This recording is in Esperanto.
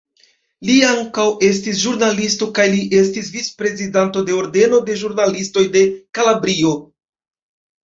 Li ankaŭ estis ĵurnalisto kaj li estis vic-prezidanto de Ordeno de ĵurnalistoj de Kalabrio.